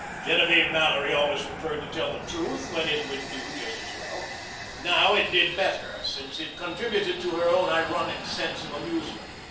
Genevieve Mallory always preferred to tell the truth when it would do just as well. Now it did better, since it contributed to her own ironic sense of amusement.